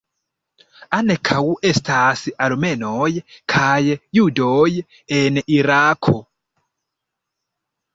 Ankaŭ estas armenoj kaj judoj en Irako.